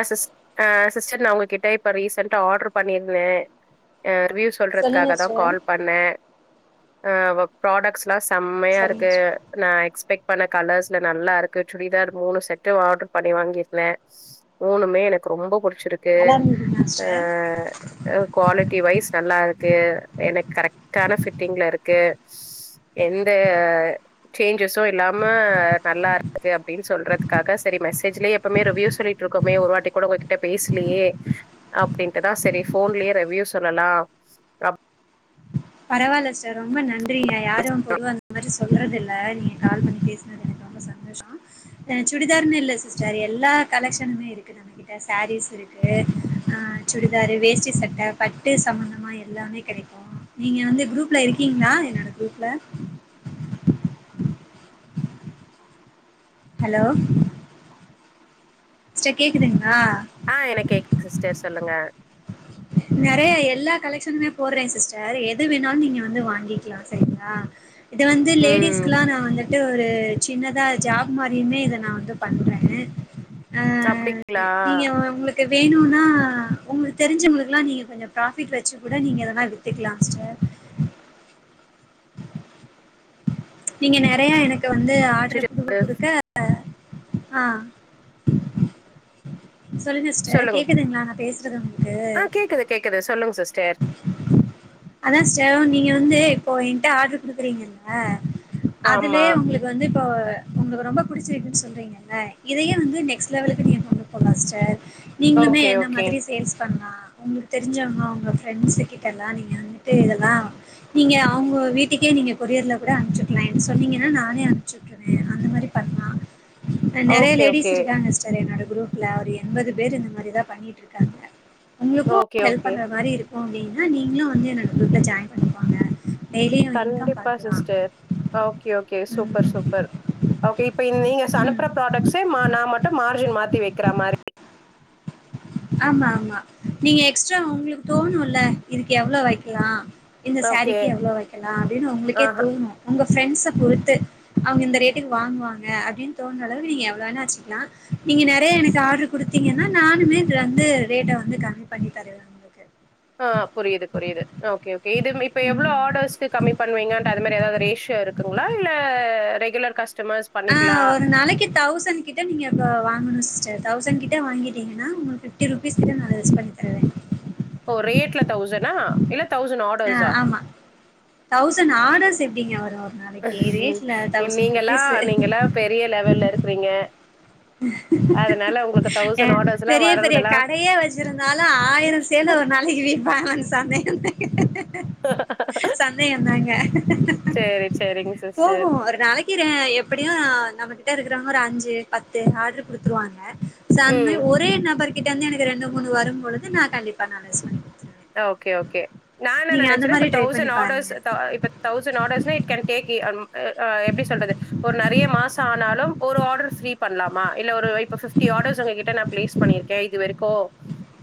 ஆ sis sister நா உங்ககிட்ட இப்ப ரீசன்டா ஆடரு பண்ணிருந்தே ரிவ்யூஸ் சொல்லுங்க சொல்றதுக்காக தா சிஸ்டர் கால் பண்ணே ஆ ப்ராடக்ஸ்லா சொல்லுங்க செம்மையாருக்கு சிஸ்டர் நா எக்ஸ்பெக்ட் பண்ண கலர்ஸ்ல நல்லா இருக்கு சுடிதார் மூணு செட்டு ஆடர் பண்ணி வாங்கிருந்தே முணுமே எனக்கு ரொம்ப புடிச்சிருக்கு நல்லா இருந்ததுங்களா ஆ சிஸ்டர் அ குவாலிட்டி வைஸ் நல்லாருக்கு எனக் கரெக்டான ஃபிட்டிங்லருக்கு எந்த சேஞ்சஸும் இல்லாம நல்லா இருக்குது அப்டின் சொல்றதுக்காக சரி மெசேஜ்லேயே எப்பமே ரிவ்யூ சொல்லிட் ருக்கோமே ஒரு வாட்டி கூட உங்க கிட்ட பேஸ்லயே அப்டின்ட்டுதா சரி போன்லயே ரெவ்யூ சொல்லலா அப் பரவால்ல சிஸ்டர் ரொம்ப நன்றிங்க யாரு பொதுவா இந்த மாரி சொல்றது இல்ல நீங்க கால் பண்ணி பேசினது எனக்கு ரொம்ப சந்தோஷோ அ சுடிதார்னு இல்ல சிஸ்டர் எல்லா கலெக்க்ஷனுமே இருக்கு நம்ம கிட்ட சாரீஸ் இருக் க்கு ஆ சுடிதாரு வேஷ்டி சட்ட பட்டு சம்பந்தமா எல்லாமே கெடைக்கு நீங்க வந்து குரூப்ல இருக்கீங்களா என்னோட குரூப்ல ஹலோ ஸ்டர் கேக்குதுங்ளா ஆ எனக் கேக்கு சிஸ்டர் சொல்லுங்க நெறையா எல்லா கலெக்க்ஷனுமே போடுறே சிஸ்டர் எது வேணாலு நீங்க வந்து வாங்கிக்கலா சரிங்களா இது வந்து ம். லேடிஸ்க்குல்லா நா வந்துட்டு ஒரு சின்னதா ஜாப் மாரியுமே இத நா வந்து பண்றேன் அ அப்டிங்களா? நீங்க உங்களுக் குவேணுன்னா உங்களுக் தெரிஞ்சவ குலா நீங்க கொஞ்ச ப்ராபிட் வச்சு கூட நீங்க இதெல்லா வித்துக்கலா சிஸ்டர் நீங்க நெறைய எனக் கு வந்து ஆடர் அச்சச்சோ! குடுக்க குடுக்க ஆ சொல்லுங்க சிஸ்டர் கேக்குதுங்ளா நா பேசுறது உங்ளுக் ஆ கேக்குது கேக்குது சொல்லுங் சிஸ்டர் அதா சிஸ்டர் நீங்க வந்து இப்போ என்ட ஆடரு குடுக்கறீங்கல்ல ஆமா. அதுலயே உங்களுக்கு வந்து இப்போ உங்களுக்கு ரொம்ப புடிச்சிருக்குன்னு சொல்றீங்க இதயு வந்து நெக்ஸ் லெவலுக்கு நீங்க கொண்டு போலா சிஸ்டர் நீங்ளுமே ஓகே, என்ன ஓகே. மாதிரி சேல்ஸ் பண்ணாலா உங்களுக் தெரிஞ்சவங்க உங்க ஃப்ரெண்ட்ஸு கிட்ட எல்லா நீங்க வந்துட்டு இதெல்லா நீங்க அவுங்க வீட்டுக்கே நீங்க கொரியர்ல கூட அனுபுச்சுகலா என்ட சொன்னீங்கன்னா நானே அனுபுச்சுட் டு அந்த மாரி பண்லா நெறைய ஓகே, லேடிஸ் ஓகே. இருக்காங்க சிஸ்டர் என்னோட குரூப்ல ஒரு எண்பது பேர் இந்த மாரிதா பண்ணிட்டு இருக்காங்க உங்களுக்கு ஓகே, ஹெல்ப் ஓகே. பண்ற மாரி இருக்கு அப்டின்னா நீங்களு வந்து என்னோட குரூப்ல ஜாயின் பண்ணிக்கேங்க கண்டிப்பா சிஸ்டர் ஓகே ஓகே சூப்பர் ம். சூப்பர் ஓகே இப்ப நீங்க ச ம் அனுப்புற ப்ராடக்ஸே நா மட்டு மார்ஜின் மாத்தி வைக்கிற மாரி ஆமா ஆமா நீங்க எக்ஸ்ட்ரா உங்களுக் தோணுல இதுக்கு எவ்ளோ வைக்கலா இந்த ஓகே. சாரீக்கு எவ்ளோ வைக்கலா அப்டின்னு உங்களுக்கே ஆஹ. தோணு உங்க ஃப்ரெண்ட்ஸ பொறுத்து அவங்க இந்த ரேட்டுக்கு வாங்குவாங்க அப்டின்னு தோன்ற அளவு நீங்க எவ்ளோ வேனா வச்சுக்கலா நீங்க நெறைய எனக்கு ஆடரு குடுத்தீங்கன்னா நானுமே இதுலந்து ரேட்ட வந்து கம்மி பண்ணி தருவே உங்களுக்கு ஆ புரியுது புரியுது ஓகே ஓகே இது இப்ப எவ்ளோ ம் ஆடர்க்ஸ் கம்மி பண்ணுவீங்க டு அது மாரி ஏதாது ரேஷியோ இருக் குங்ளா இல்ல ரெகுலர் கஸ்டமர்ஸ் ஆ பண்ணிக்கலாம். ஒரு நாளைக்கு தௌவுசன் கிட்ட நீங்கப்ப வாங்கணு சிஸ்டர் தௌசண்ட் கிட்ட வாங்கிட்டீங்கன்னா உங்ளுக்கு ஃபிப்டி ருபீஸ் கிட்ட நா லெஸ் பண்ணி தருவே ஓ ரேட்ல தௌசணா இல்ல தௌசண்ட் ஆட் ஆ ஆமா தௌசண்ட் ஆடர்ஸ் எப்டிங்க வரு நாளைக்கு ரேட்ல தௌசண்ட் நீங்கல்லா ருபீஸு நீங்கல்லா பெரிய லெவல்ல இருக்கறீங்க ஆ பெரிய பெரிய வர்றதெல்லா கடையே வச்சிருந்தாலு ஆயிரோ சேல நாளிக்கு விப்பாங்களானு சந்தேகம்தா சந்தேகந்தாங்க சரி சரிங்க போகு சிஸ்டர். ஒரு நாளைக் விக்கிறே எப்படியு நம்ம கிட்ட இருக்கறவங்க ஒரு அஞ்சு பத்து ஆடர் குடுத்துருவாங்க சா அந்மாரி ம் ஒரே நபர் கிட்ட இருந்து எனக்கு ரெண்டு மூணு வரும்பொழுது நா கண்டிப்பா நா லெஸ் பண்ணிப்பே ஓகே ஓகே நா என்ன அந்த நினைச்சேனா இப்ப மாரி ட்ரை பண்ணி தௌசண்ட் பாருங்க ஆடர்ஸ் த இப்ப thousand orders it can take ஆ ஆ எப்டி சொல்றது ஒரு நெறைய மாசோ ஆனாலு ஒரு ஆடர் ஃப்ரீ பண்ணலாமா இல்ல ஒரு இப்ப பிப்டி ஆர்டர்ஸ் உங்ககிட்ட நா பிளேஸ் பண்ணிருக்கே இது வரைக்கோ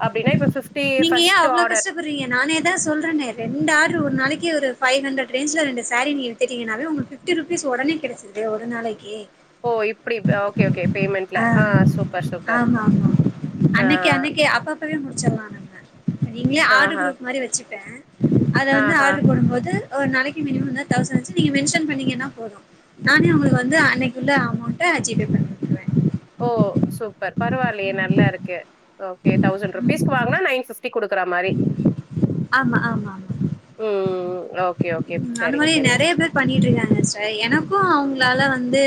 அப்டின்னா இப்ப பிப்டி நீங்க ஏன் ஃபர்ஸ்ட் அவ்ளோ ஆர்டர் கஷ்டபட்ரீங்க நானே அதா சொல்றனே ரெண்டு ஆட்ரு ஒரு நாளைக்கு ஒரு ஃபைவ் ஹண்ரட் ரேஞ்ச்ல ரெண்டு சாரீ நீங்க எடுத்துட்டீங்கனாவே உங்களுக்கு பிஃப்டி ருபீஸ் உடனே கிடைச்சிடுதே ஒரு நாளைக்கே ஓ இப்டி ஆ ஓகே ஓகே பேமெண்ட்ல ஆ சூப்பர் சூப்பர். ஆமா ஆமா ஆ அன்னைக்கு அன்னைக்கே அப்ப அப்பவே முடிச்சிடலா நம்ம நீங்களே ஆர்டரு ஆஹா. குரூப் மாரி வச்சுப்பே அத வந்து ஆஹா! ஆடர் போடுபோது ஒரு நாளைக்கி மினிமம் தௌசணாச்சு நீங்க மென்ஷன் பண்ணீங்கன்னா போது நானே உங்களுக்கு வந்து அன்னைக்குள்ள அமௌண்ட்ட ஜீ பே பண் ஓ சூப்பர் பரவாயில்லயே நல்லா இருக்கு ஓகே தௌசண்ட் ருபீஸ்க்கு வாங்குனா நயன் ஃபி கொட்டி குடுக்குற மாரி ஆமா ஆமா ஆமா ம், ம். Okay, okay. அந்த சரிங்க, மாரி சரிங்க நெறைய சிஸ்டர். பேர் பண்ணிட்டு இருக்காங்க ப எனக்கு அவ்ங்களால வந்து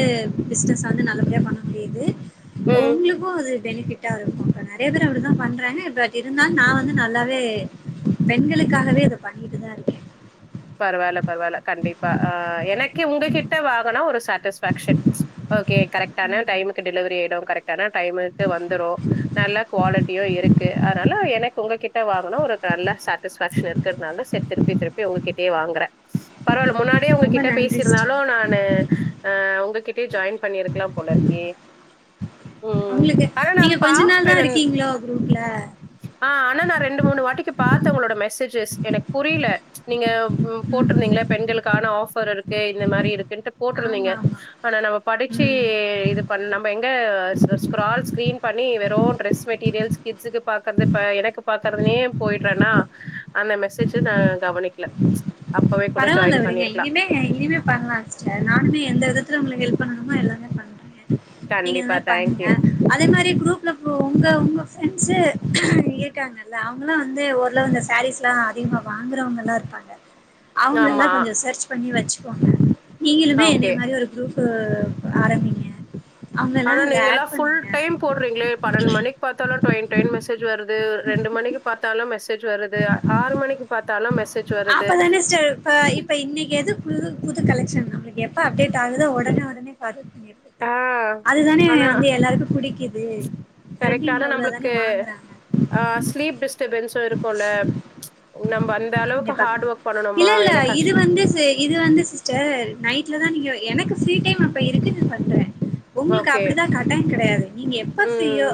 பிஸ்னஸ் வந்து நல்லப்படியா பண்ண முடியிது ம். ஒங்ளு கு அது பெனிஃபிட்டா இருக்கு இப்ப நறையா பேர் அப்டிதா பண்றாங்க பட் இருந்தாலு நா வந்து ந நல்லாவே பெண்களுக்காகவே இத பண்ணியிட்டுதா இருக்கே பரவால்ல பரவால்ல கண்டிப்பா ஆ எனக்கே உங்ககிட்ட வாங்கனா ஒரு சாட் டிஸ்ஃபேக்ஷன் ஓகே கரெக்ட்டான டைமுக்கு டெலிவரி ஆய்டு கரெக் ஆனா டைம் எடுத்து வந்துரு நல்லா குவாலெட்டியு இருக்கு அதுனால எனக்கு உங்க கிட் [unintelligible] வாரொனா ஒரு நல்ல சாட்டிஸ்ஃபேக்ஷன் இருக்கற்னால் தா சேர் திருப்பி திருப்பி உங்க கிட் இப்பயே வாங்குறே பரவால்ல முன்னாடியே ரொம்ப உங்ககிட்ட நன்றி பேசிருந்தாலு சிஸ்டர் நானு ஆ உங்க்கிட்டயே ஜாயின் பண்ணிருக்கலா போல இருக்கே ம். உங்களுக்கு ஆனா நான் நீங்க கொஞ்ச நாள்தா பாப்பேன். நான் இருக்கீங்ளோ க்ரூப்ல ஆ அனா நா ரெண்டு மூணு வாட்டிக்கி பாத்த உங்களோட மெசேஜஸ் எனக்கு புரிய்ல நீங்க ம் போட்ருந்தீங்கள பெண்களுக்கான ஆஃபர் இருக்கு இந்த மாரி இருக்குன்ட்டு போட்ருந்தீங்க ஆமா ஆமா ஆனா நம்ம படிச்சு ம் இது பண் நம்ப எங்க ஸ் ஸ்க்ரால் ஸ்க்ரீன் பண்ணி வெறு ட்ரெஸ் மெட்டீரியல்ஸ் கிட்ஸுக்கு பாக்கற்து ப எனக்கு பாக்குறதுலயே போய்ட்றனா அந்த மெசேஜு நா கவனிக்ல பரவால்ல விடுங்க இனிமே இனிமே பண்லா சிஸ்டர் நானுமே எந்த விதத்துல உங்களுக்கு ஹெல்ப் பண்ணணுமோ எல்லாமே பண்ற நீங்க இந்த கண்டிப்பா. மாரி தேங்க் பண்ணுங்க யூ. அதே மாரி க்ரூப்ல பொ உங்க உங்க ஃப்ரெண்ட்ஸு இருக்காங் இல்ல அவுங்களு வந்து ஓரளவு இந்த சேரீஸ்லா அதிகமா வாங்குறவங்கலா இருப்பாங்க அவங்களல்லா ஆமா. கொஞ்சோ சர்ச் பண்ணி வச்சுப்போங்க நீங்களுமே என்னய ஓகே. மாரி ஒரு க்ரூப்பு ஆரம்பிங்க அவங்களல்லா ஆனா அதுல நீங்கல்லா ஆட் ஃபுல் பண்ணுங்க டைம் போட்றீங்களே பன்னெண்டு மணிக் பாத்தாலு டொய் டொய் னு மெசேஜ் வருது ரெண்டு மணிக்கு பாத்தாலு மெசேஜ் வருது ஆறு மணிக்கு பாத்தாலு மெசேஜ் வருது. ஆப்பதான ஸ்ட ப இப் இப்ப இன்னைக்கு ஏது பு புது கலெக்க்ஷன் நம்மளுக்கு எப்ப அப்டேட் ஆகுதோ உடனே உடனே பார்வடு பண்ணிருவோ ஆ, அதுதானே ஆனா வந்து எல்லாருக்கு புடிக்குது கரெக்ட் ட்ரெண்டிங்ல ஆனா உள்ளதானே நம்மளுக்கு வாங்குறாங்க ஆ ஸ்லீப் டிஸ்டபன்ஸ்சு இருக்கும்ல நம்ம அந்த அளவுக் இல்லல்ல இது வந்து செ இது வந்து சிஸ்டர் நைட்ல தா நீங்க எனக்கு ஃப்ரீ டைம் அப்ப இருக்கு நா பண்றே உங்களுக்கு ஓகே. அப்டிதா கட்டாயோ கிடையாது நீங்க எப்ப ஃபிரியோ ம்.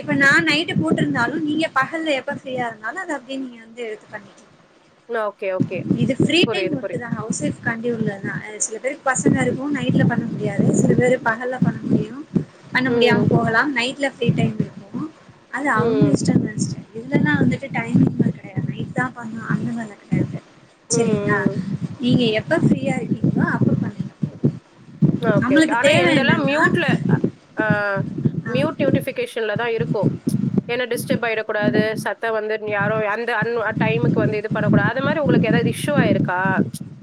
இப்ப நா நைட்டு போட்டுருந்தாலு நீங்க பகல்ல எப்ப ஃப்ரீயா இருந்தாலு அத அப்டியே நீங்க வந்து எடுத்து பண்ணீ ம் ஓகே ஓ இது ஃப்ரீ டைம் மட்டுதா ஹவுஸ் ஒய்ப் காண்டி உள்ளதா அ சில பேருக்கு பசங்க இருக்கு நைட்ல பண்ண முடியாது சில பேர் பகல்ல பண்ண முடியு பண்ண ம், முடியாம போகலா நைட்ல ஃப்ரீ டைம் இருக்கு அது அவுங்க ம், இஷ்டதா சிஸ்டர் இதுலல்லா வந்துட்டு டைமிங்ளா கடையாது நைட்தா பண்ணு அந்த மாரிலா ம், செரிங்களா ம். நீங்க எப்ப ஃப்ரீயா இருக்கீங்களோ அப்ப பண்லா ஆ ஓகே ஓகே ஆனா என்தெல்லா ம்யூட்ல ஆ ஆஹ் ம்யூட் நோட்டிஃபிகேஷன்லதா இருக்கு எனா டிஸ்டப் ஆய்டக்கூடாது சத்தோ வந்து யாரு எந்த அந் டைமுக்கு வந்து இது பண்ணக்கூடா அது மாரி உங்களுக்கு எதா இஸ்யூ ஆய்ருக்கா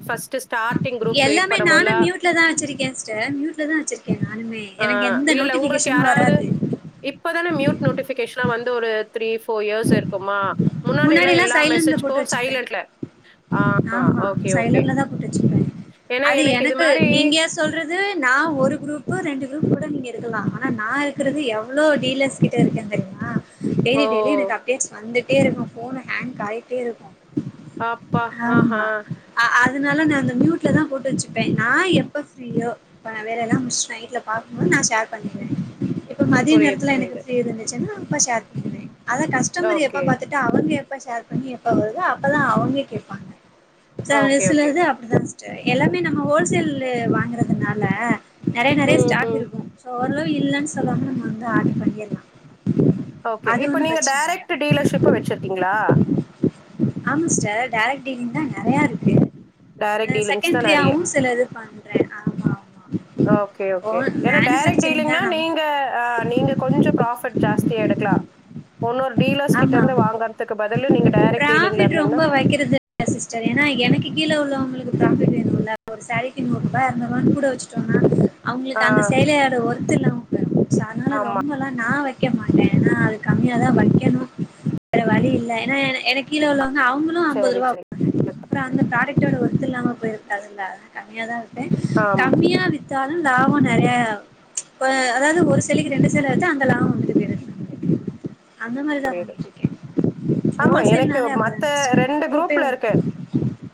ஃபஸ்ட் ஸ்டாட்டிங் குரூப் கிரியேட் பண்ணும்போதலா ட்லதா வெச்சிருக்கே சிஸ்டர் ம்யூட்லதா வெச்சிருக்கே நானுமே ஆ எனக் எந்த நோட்டிஃபிகேஷனு வராது இப்பதான மியூட் நோட்டிஃபிகேஷனா வந்து ஒரு த்ரீ ஃபோர் இயர்ஷ் இருக்குமா முன்னாடிலாம் முன்னாடில்லா எல்லா சைலண்ட்ல போட்டு மெசேஜ்க்கும் வெச்சிப்பே சைலன்ட்ல. ஆ ஆமா ஓகே, ஓகே. சைலன்டலதா போட்டு வெச்சுப்பே ஏன்னா அது இது எனக்கு மாரி நீங்க சொல்றது நா ஒரு குரூப்பு ரெண்டு குரூப் கூட நீங்க இருக்கலா ஆனா நா இருக்கறது எவ்ளோ டீலர்ஸ் ட்டே இருக்கே தெரியுமா ஓ! டெய்லி டெய்லி எனக்கு அப்டேஸ் வந்துட்டேருக்கு ஃபோனு ஹங்க் ஆய்ட்டே இருக்கு அப்பா! ஆஹா! ஆமா ஆ அதனால நா அந்த ம்யூட்லதா போட்டு வெச்சுப்பே நா எப்ப ஃப்ரீயோ இப்ப நா வேலல்லா முடிச்சுட்டு நைட்ல பாக்கும்போது நா ஷேர் பண்ணிகுவே ப மதிய புரியுது, நேரத்துல எனக்கு புரியுது. ஃப்ரீ இருந்துச்சுன்னா அப்ப செர் பண்ணுவே அத கஸ்டமர் எப்ப ஓகே. பாத்துட் ட்டு அவங்க எப்ப ஷேர் பண்ணி எப்ப வருதோ அப்பதா அவங்க கேப்பாங்க ஓகே, ஓகே. வய்சுலதா அப்டிதா சிஸ்டர் எல்லாமே நம்ம கோல்சேலு வாங்கறதுனால நறைய நறைய ம், ஸ்டாக் ம். இருக்கு சோ ஓரளவு இல்லன் சொல்லாம நம்ம வந்து ஆட் பண்ணிற்லா ஓகே இப்ப நீங்க டேரக்ட்டு டீலர்ஷிப்பு வெச்சிருக்கீங்ளா ஆமா சிஸ்டர் டேரக்ட் டிலிங்தா நறைய இருக்கு டைரக்ட் அ டீலிங்ஸ் தான் நெறைய. செகண்ட்ரியாவு சில இது பண்றே ஆமா ஓகே ஓ ஓகே எனா டேரக்ட் மேனுஃபேக்சரிங் தா டீலிங்னா நம் நீங்க ஆ நீங்க கொஞ்சோ ப்ராஃபிட் ஜாஸ்தியா எடுக்லா ஒன்னொரு ஆமா டீலர்ஸ்கிட்டருந்து ஆமா வாங்கறதுக்கு பதில் நீ டேரக்ட் டீலிங்ல ப்ராஃபிட் இருந்தீங்கங்கனா ரொம்ப வைக்கிறது இல்ல சிஸ்டர் எனா எனக்கு கீழ உள்ளவங்களுக்கு ப்ராஃபிட் வேணும்ல அப்ப ஒரு சாரிக்கு நூறுவா எறநுறுவா கூட வெச்சு சோ அதனால ஆ, அவுங்களுக்கு அந்த சேல அது ஒர்துல்ல சோ அதனால ஆமா. ரொம்பல்லா நா வெக் வெக்க மாட்டனா அது கம்மியாதா வெக்கணு வேற வழி இல்ல எனா எனக் கீழ உள்ளவுங்க அவுங்க னு அம்பது சரி, ரூவா சரி. அப்புறோ அந்த ப்ராடக்ட்டோட ஒர்த் இல்லாம போய்ரக்குடாதுலா கம்மியதா இருக்கே ஆம் கம்மியா வித்தாலு லாபோ நறைய இப்ப அதாவ்து ஒரு சேலைக்கி ரெண்டு சேல வெச்சா அந்த லாபோ வந்துட்டு போய் [inaudible] அந்த மாரி புரியுது. பண்ணிட்ருக்கே ஆமா, எனக்கு ஹோல்சேல்னாலே அப்டிதா மத்த சிஸ்டர் குரூப்பே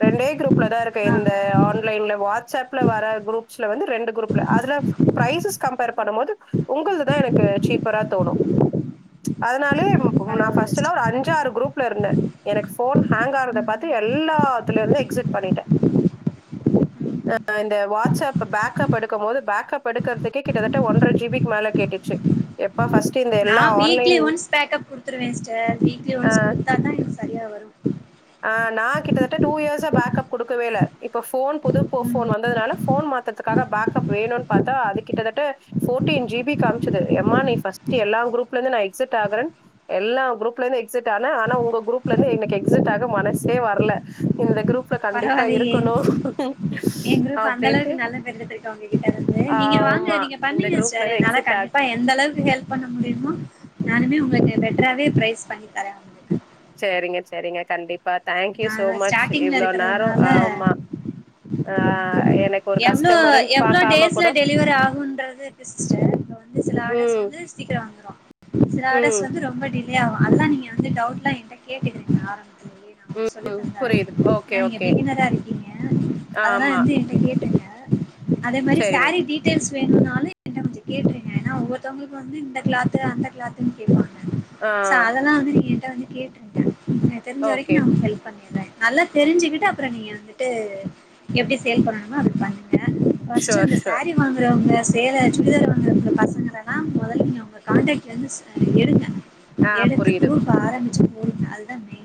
ரெண்டே குரூப்லதா இருக்கே ஆ ம் இந்த ஆன்லைன்ல வாட்ஸ்அப்ல வர குரூப்ஸ்ல வந்து ரெண்டு குரூப் அதுல ப்ரைசஸ் கம்பேர் பண்ணுமோது உங்கள்துதா எனக்கு சீப்பரா தோணு அதனால நா பரவால்ல ஃப்ஸ்ட்லா சிஸ்டர் ஒரு அஞ்சாறு குரூப்ல இருந்தே எனக்கு ஃபோன் ஹேங் ஆகுறத ம் பாத்து எல்லாத்துலருந்து எக்ஸிட் பண்ணிட்டே [inaudible] அ இந்த வாட்ஸ்ஆப் பேக்கப் எடுக்கு போது பேக்கப் எடுக்கறதுக்கே கிட்டத்தட்ட ஒன்ற ஜி பிக்கு மேல கேட்டுச்சு எப்ப ஃபஸ்ட்டு இந்த நா எல்லா வீக்லி ஆன்லைன் ஒன்ஸ் பேக்கப் குடுத்துருவே சிஸ்டர் வீக்லி அ, ஒன்ஸ் குடுத்தாதா எனக் சரியா வரு ஆ நா கிட்டத்தட்ட டூ இயர்ஸா பேக்கப் குடுக்கவே இல்ல இப்ப ஃபோன் புது போ ம் ஃபோன் வந்ததுனால போன் மாத்தத்துக்காக பேக்கப் வேணுனு பாத்தா அது கிட்டத்தட்ட ஃபோர்டீன் ஜி பி காமிச்சுது எம்மா நீ ஃபஸ்டு எல்லா குரூப்ல இந்து நா எக்ஸிட் ஆகறன் எல்லா குரூப்ல இருந்து எக்ஸிட்டான ஆனா உங்க குரூப்ல இருந்து எனக்கு எக்ஸிட் டாக மனசே வரல இந்த குரூப் பரவால்லியே எ குரூப் அந்த அப்டின்ட்டு அளவுக்கு நல்ல பேர் எடுத்துருக்கா உங்க கிட்ட இருந்து நீங்க வாங்க ஆமா. நீங்க இந்த பண்னுங்க சிஸ்டர் குரூப்லருந்து என்னால எக்ஸிட் ஆக கண்டிப்பா எ எந்த அளவுக்கு ஹெல்ப் பண்ண முடியுமோ நானுமே உங்களுக்கு பெட்டராவே ப்ரைஸ் பண்ணி தரே செரிங்க செரிங்க கண்டிப் நாங்க ஸ்டாட்டிங்ல இருக்கறதுனால ஆமா ஆ எனக்கு ஒரு ஆமாமா எவ்ளோ கஸ்டமருன் எவ்ளோ பாக்காம டேஸ்ல கூட டெலிவரி ஆகும்ன்றது கிஸ்ட வ ந்து சில ஆடர்ஸ் ம் வந்து சீக்கிரொ வந்துரு சில ம் ஆடர்ஸ் வந்து ரொம் ப டிலே ஆகு அதுலா நீங்க வந்து டவுட்லா எண்ட கேட்டுகோங்க ஆரம்ப நா உங்க ம் சொல்லித்தந்தாரே புரியுது ஓகே நீங்க ஓகே பிகினரா இருக்கீங்க அதனா ஆமா வந்து கேட்டுங்க அதே மாரி சேரிங் சாரீ டீட்டெல்ஸ் வேணுனாலு என்ன கொஞ்சோ கேட்ருங்க ஏனா ஒவ்வொருத்தவங்களுக்கு வந்து இந்த க்ளாத்து அந்த க்ளாத்துன்னு கேப்பாங்க ஆ சோ அதெல்லா வந்து நீ்ங்க எண்ட வந்து கேட்டுருங்க எனக்கு நா தெரிஞ்ச வரைக் ஓகே ஹெல்ப் பண்ணிர்றே நல்லா தெரிஞ்சுக்கிட்டு அப்புறோ நீங்க வந்துட்டு எப்டி சேல் பண்ணனுமோ அப்டி பண்ணுங்க மோஸ்டு ஷோர் இந்த ஷோர் சாரீய வாங்குறவங்க சேல சுடிதார் வாங்கறவங்க பசங்கலதா மொதல நீங்க அவங்க கான்டக்ல இருந்து ஸ எடுங்க ஆ எடுத்து புரியுது குரூப்ப ஆரம்பிச்சு போடுங்க அதுதா மெ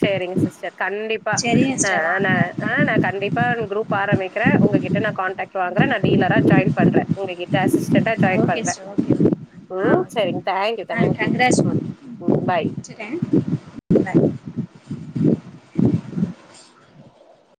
செரிங்க சிஸ்டர் கண்டிப்பா செரிங்க ஆ சிஸ்டர் ந வாங்க ஆ நா கண்டிப்பா இன் குரூப் ஆரம்பிக்கிறே உங்ககிட்ட நா கான் ட்ரக்ட் வாங்ற நா டீலரா ஜாயின் பண்ற உங்க கிட்ட அசிஸ்டன்டா ஜாயின் ஓகே பண்ற சிஸ்டர் ஓகே ஓகே ஆ ம் ஓகே சரிங் தேங்க்யூ தேங்க்யூ ம் ம் பாய் சிறே [inaudible]